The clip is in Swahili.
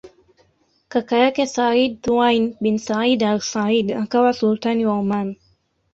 Kaka yake Sayyid Thuwaini bin Said al Said akawa Sultani wa Oman